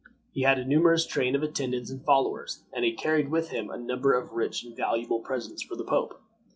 He had a numerous train of attendants and followers, and he carried with him a number of rich and valuable presents for the pope.